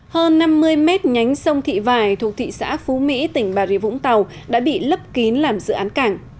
hơn năm mươi mét nhánh sông thị vài thuộc thị xã phú mỹ tỉnh bà rịa vũng tàu đã bị lấp kín làm dự án cảng